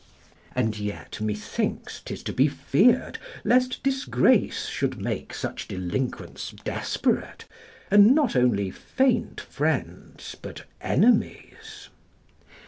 And yet, methinks, 'tis to be feared, lest disgrace should make such delinquents desperate, and not only faint friends, but enemies.